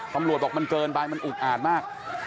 ตำรวจบอกมันเกินไปมันอุกอาดมาก